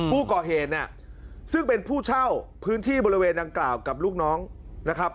ผู้ก่อเหตุเนี่ยซึ่งเป็นผู้เช่าพื้นที่บริเวณดังกล่าวกับลูกน้องนะครับ